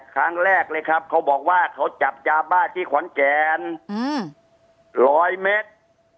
ครั้งแรกเลยครับเขาบอกว่าเขาจับยาบ้าที่ขอนแก่น๑๐๐เมตร